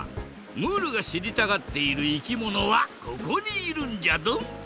ムールがしりたがっているいきものはここにいるんじゃドン。